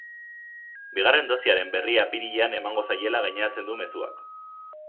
Bigarren dosiaren berri apirilean emango zaiela gaineratzen du mezuak.